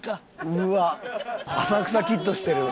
うわっ『浅草キッド』してる。